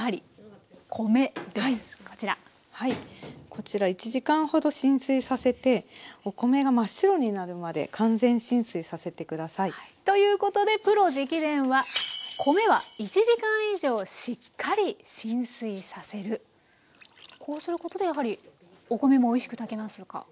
こちら１時間ほど浸水させてお米が真っ白になるまで完全浸水させて下さい。ということでプロ直伝はこうすることでやはりお米もおいしく炊けますか？